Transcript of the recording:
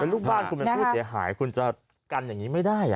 ลูกบ้านคุณเป็นผู้เสียหายคุณจะกันอย่างนี้ไม่ได้เหรอ